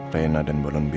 rena dan bolon biru